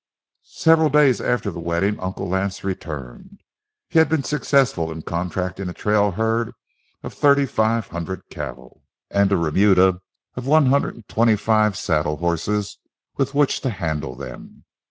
Several days after the wedding Uncle Lance returned. He had been successful in contracting a trail herd of thirty five hundred cattle, and a remuda of one hundred and twenty five saddle horses with which to handle them.